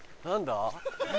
何だ？